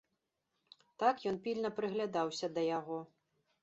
Так ён пільна прыглядаўся да яго.